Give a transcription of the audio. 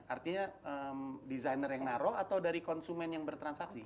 artinya desainer yang naro atau dari konsumen yang bertransaksi